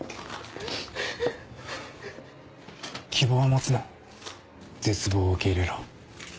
希望は持つな絶望を受け入れろ。